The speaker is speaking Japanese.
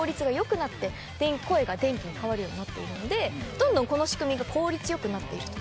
どんどんこの仕組みが効率よくなっていると。